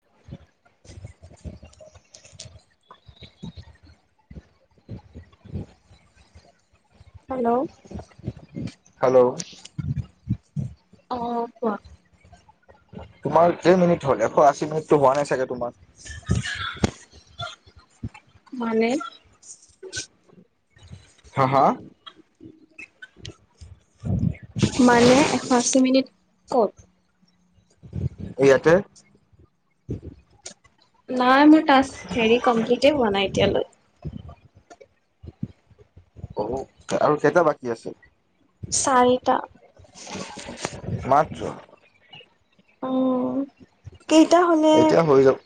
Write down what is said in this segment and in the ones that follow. [inaudible] Hello, hello, অহ, কোৱা। তোমাৰ কেই মিনিট হ'ল এশ আছি মিনিটটো হোৱা নাই চাগে তোমাৰ? মানে? হা -হা মানে এশ আচি মিনিট কত এইয়াতে নাই মোৰ টাস্ক হেৰি কমপ্লিটে হোৱা নাই এতিয়ালৈ। অ আৰু কেইটা বাকী আছে? চাৰিটা। মাত্ৰ। অহ কেইটা হলে- এতিয়া হৈ যাব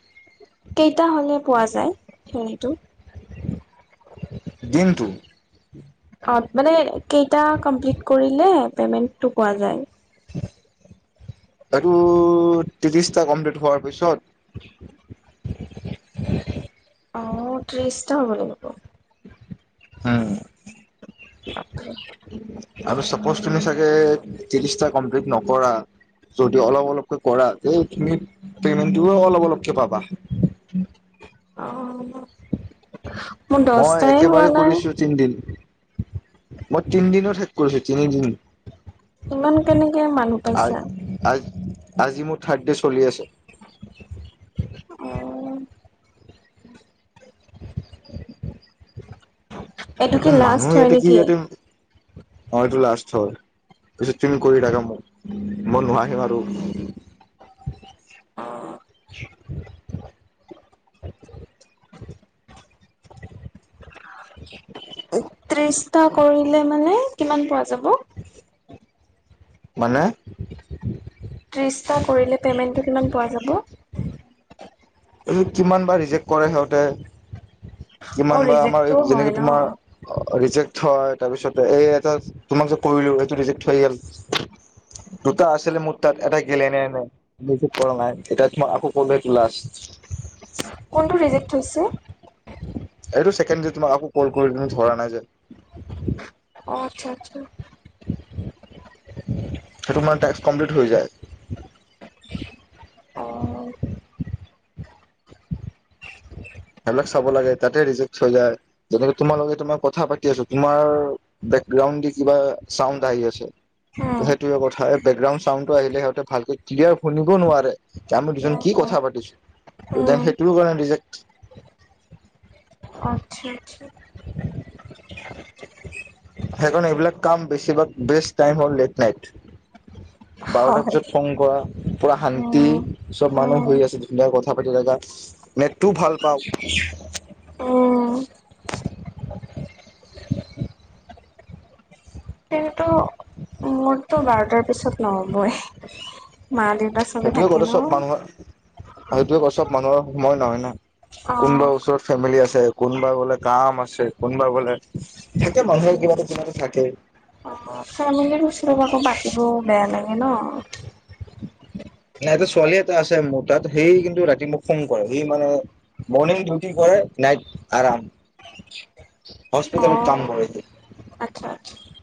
কেইটা হলে পোৱা যায় হেৰিতো। দিনটো? মানে কেইটা কমপ্লিত কৰিলে পেমেণ্টটো পোৱা যায়। এইটো ত্ৰিশটা কমপ্লিট হোৱাৰ পিছত? অ', ত্ৰিশটা হ'ব লাগিব। হম। [unintelligible] আৰু চাপ'জ তুমি চাগে ত্ৰিশটা কমপ্লিট নকৰা যদি অলপ অলপকৈ কৰা তে তুমি পেমেন্ট অলপ অলপকে পাবা। অ হ'ব মই একেবাৰে কৰিছো তিনিদিন। মই তিনিদিনত শেষ কৰিছো তিনিদিন। ইমান কেনেকে মানুহ আ পাইছা? আ আজি মোৰ থাৰ্ড ডে চলি আছে। অ [inaudible] [inaudible] এইটো ইয়াতে কি মানুহ লাষ্ট হয় ইয়াতে কি নেকি? ইয়াতে হয় এইটো লাষ্ট পিছত তুমি কৰি থাকা মোক মই নোৱাৰিম আৰু [inaudible] অ [inaudible] ত্ৰিশটা কৰিলে মানে কিমান পোৱা যাব? মানে ত্ৰিছটা কৰিলে পে'মেণ্টটো কিমান পোৱা যাব? এই কিমান বাৰ ৰিজেক্ট কৰে সিহঁতে অ কিমান বা আমাৰ ৰিজেক্টও এই হয় যেনেকে ন? তোমাৰ ৰিজেক্ট হয় তাৰপিছত এই এটা তোমাক যে কৰিলো এইটো ৰিজেক্ট হৈ গে'ল। দুটা আছিলে মোৰ তাত এটা গ্লেনেনে বেছি কৰা নাই এতিয়াতো মই আকৌ ক'লে লাষ্ট [inaudible] কোনটো ৰিজেক্ট হৈছে। এইটো ছেকেণ্ড যে তোমাক আকৌ ক'ল কৰি তুমি ধৰা নাই যে- অ আত্চ্ছা আত্চ্ছা [inaudible] সেইটো মানে টাকছ্ কমপ্লিট হৈ যায়। অ [inaudible] সেইবিলাক চাব লাগে তাতে ৰিজেক্ হৈ যায় যেনেকে তোমালোকে তোমাক কথা পাতি আছো তোমাৰ বেক- গ্ৰাউণ্ড কিবা ছাউণ্ড আহি আছে। উম সেইটোয়ে কথা বেকগ্ৰাউণ্ড ছাউণ্ডটো আহিলে সিহতে ভালকৈ ক্লিয়াৰ শুনিব নোৱাৰে আমি দুজন কি কথা পাতিছো ত উম সেইটো কাৰণে ৰিজেক্ত আত্চ্ছা আত্চ্ছা [inaudible] সেইকাৰণে এইবিলাক কাম বেছিভাগ বেষ্ট টাইম হ'ল লেট নাইট। বাৰটাৰ হয় পিছত ফোন কৰা। পুৰা শান্তি উম চব মানুহ উম শুই আছে ধুনীয়া কথা পাতি থকা নেটটো ভাল পাওঁ। উম [inaudible] কিন্তু [inaudible] মোৰতো বাৰটাৰ পিছত নহ'বই। মা দেউতা চবে সেইটোয়ে ক থাকে ন চব মানুহে সেইটোয়ে ক চব মানুহৰ সময় নহয় না অ কোনোবা ওচৰত, ফেমিলি আছে কোনোবা বোলে কাম আছে কোনোবা বোলে থাকে মানুহে কিবা এটা কিবা এটা থাকে। অ ফেমিলীৰ ওচৰৰ পৰা আকৌ পাতিবও বেয়া লাগে ন। নাই এটা ছোৱালী এটা আছে মোৰ তাত সেই কিন্তু ৰাতি মোক ফোন কৰে সি মানে- মৰনিং ডিউটি কৰে, নাইট আৰাম অ হস্পিতালত কাম কৰে আচ্ছা আচ্ছা এতিয়া।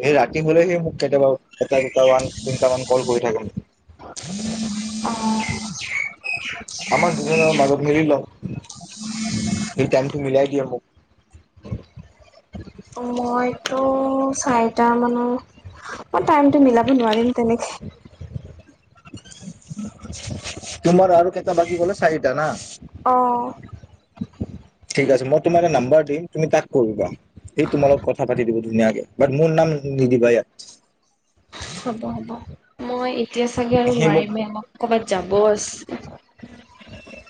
সি ৰাতি হ'লে সি মোক কেতিয়াবা এটা দুটা মান তিনিটা মান কল কৰি থাকে মোক। অহ আমাৰ দুজনৰ মাজত মিলি ল'ও। এই টাইম টো মিলাই দিয় মোক অ মইতো চাৰিটা মানৰ মই টাইমতটো মিলাব নোৱাৰিম তেনেকে তোমাৰ আৰু কেইটা বাকি গলে চাৰিটা না অ ঠিক আছে মই তোমাক নাম্বাৰ দিম তুমি তাক কৰিবা সেই তোমালত কথা পাতি দিব ধুনীয়াকে বাট মোৰ নাম নিদিবা ইয়াত। হ'ব হ'ব মই এতিয়া চাগে আৰু সি মোক নোৱাৰিমে আমাক কবাত যাব আছে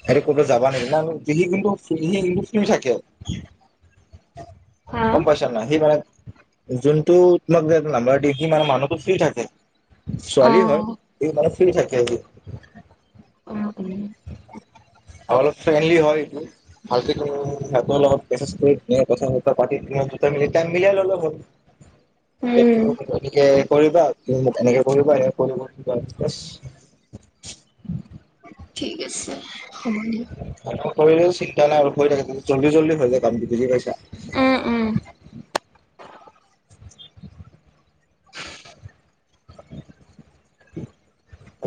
হে ক'বাত যাবা নেকি না সিলি কিন্তু সিলি কিন্তু ফ থাকে হা? গম পইছা নাই সিমানে যোনটো তোমাক যে এটা নাম্বৰ দিয়ে মানে মানুহটো চুই থাকে অ ছোৱালী হয় এই মানে ফ্ৰী থাকে আজি। উম উম আৰু অলপ ফ্ৰেণ্ডলি হয় ভালকেতো ভালপোৱাৰ ল'গত মে'ছে'ছ কৰি কথা- বতা পাতি টাইম মিলাই ললে হল সেইটো উম এনেকে কৰিবা এনেকে কৰিবা এনেকে কৰিলে [inaudible] পৰিলেও চিন্তা নাই আৰু হৈ থাকে জল্দি জল্দি হৈ যায় কামটো বুজি পাইছা [inaudible] উম।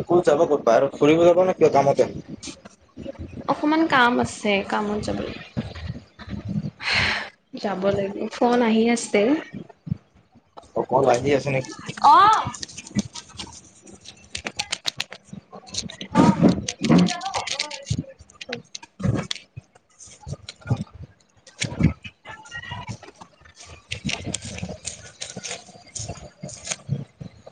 ক'ত যাব ক'ত বাহিৰত ফুৰিব যাবা নে কিবা কামতে কিমান কাম আছে কামত যাবলৈ যাব লাগিব ফোন আহি আছে। উমৰ আহি আছে নেকি অ [unintelligible] [inaudible]